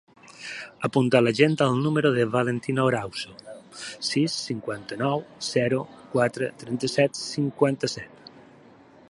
Apunta a l'agenda el número del Valentino Arauzo: sis, cinquanta-nou, zero, quatre, trenta-set, cinquanta-set.